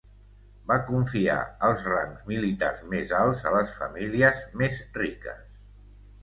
Va confiar els rangs militars més alts a les famílies més riques.